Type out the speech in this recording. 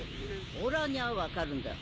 オラには分かるんだ。